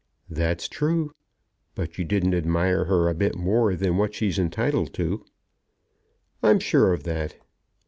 "That's true; but you didn't admire her a bit more than what she's entitled to." "I'm sure of that.